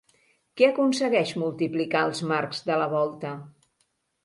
Què aconsegueix multiplicar els marcs de la volta?